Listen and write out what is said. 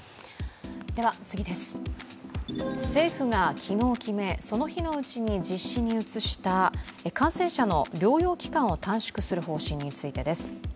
政府が昨日決め、その日のうちに実施に移した感染者の療養期間を短縮する方針についてです。